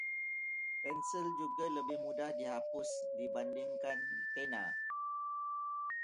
Pensil juga lebih mudah dihapus dibandingkan pena.